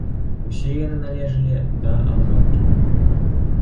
Усе яны належылі да алганкінаў.